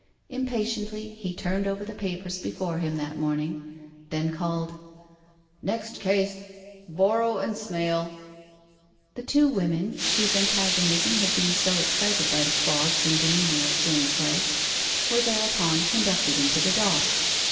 Impatiently he turned over the papers before him that morning, then called: " Next case — Borrow and Smale." The two women whose antagonism had been so excited by the clogs and demeanour of Jenny Clegg, were therupon conducted into the dock.